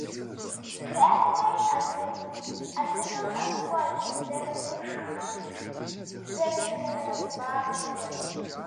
ЖыӀэн хуейщ адыгэхэм куэд зэрамышхыр, зэрымыныбаблэр.